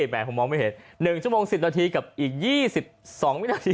แห่ผมมองไม่เห็น๑ชั่วโมง๑๐นาทีกับอีก๒๒วินาที